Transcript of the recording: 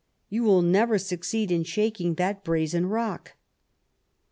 You will never succeed in shaking that brazen rock."